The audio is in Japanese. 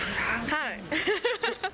はい。